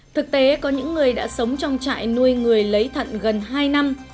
thực tế có những người đã sống trong trại nuôi người lấy thận gần hai năm